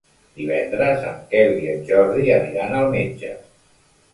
Divendres en Quel i en Jordi aniran al metge.